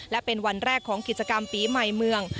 และเป็นวันแรกของกิจกรรมปีใหม่เมือง